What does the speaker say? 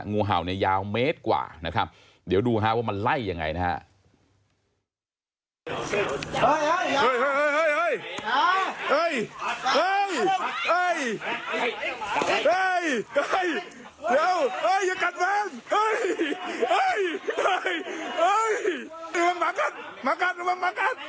งูเห่าเนี่ยยาวเมตรกว่านะครับเดี๋ยวดูฮะว่ามันไล่ยังไงนะฮะ